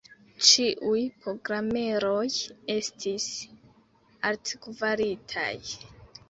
Ĉiuj programeroj estis altkvalitaj.